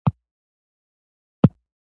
د قرغیزانو سیمې په پامیر کې دي